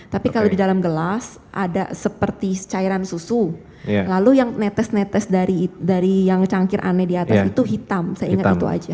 tapi kalau di dalam gelas ada seperti cairan susu lalu yang netes netes dari yang cangkir aneh di atas itu hitam saya ingat itu aja